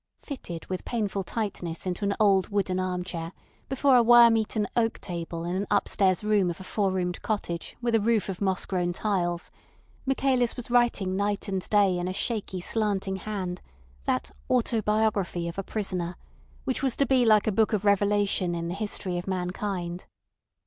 Fitted with painful tightness into an old wooden arm chair, before a worm eaten oak table in an upstairs room of a four roomed cottage with a roof of moss grown tiles, Michaelis was writing night and day in a shaky, slanting hand that "Autobiography of a Prisoner" which was to be like a book of Revelation in the history of mankind.